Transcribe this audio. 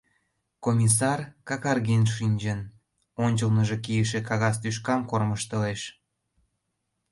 Комиссар, какарген шинчын, ончылныжо кийыше кагаз тӱшкам кормыжтылеш.